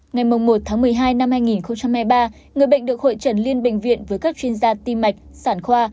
ngày một một mươi hai năm hai nghìn hai mươi ba người bệnh được hội trần liên bệnh viện với các chuyên gia tim mạch sản khoa